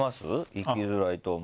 生きづらいと思うこと。